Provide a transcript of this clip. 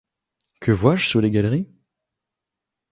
Que vois-je sous les galeries ?…